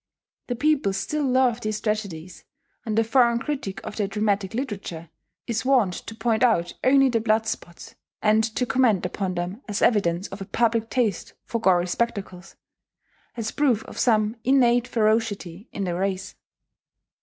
The people still love these tragedies; and the foreign critic of their dramatic literature is wont to point out only the blood spots, and to comment upon them as evidence of a public taste for gory spectacles, as proof of some innate ferocity in the race.